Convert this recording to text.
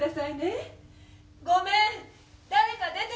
ごめん誰か出てくれる？